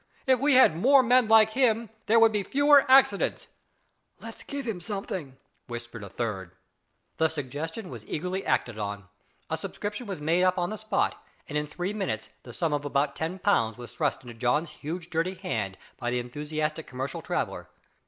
"If we had more men like him, there would be fewer accidents." "Let's give him something," whispered a third. The suggestion was eagerly acted on. A subscription was made on the spot, and in three minutes the sum of about ten pounds was thrust into John's huge dirty hand by the enthusiastic commercial traveller.